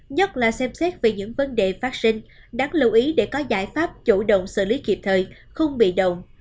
nhất là xem xét về những vấn đề phát sinh đáng lưu ý để có giải pháp chủ động xử lý kịp thời không bị động